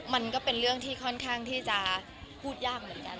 มันก็เป็นเรื่องที่ค่อนข้างที่จะพูดยากเหมือนกัน